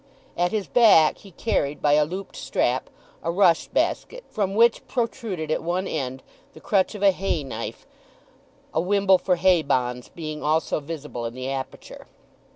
At his back he carried by a looped strap a rush basket, from which protruded at one end the crutch of a hay knife, a wimble for hay bonds being also visible in the aperture.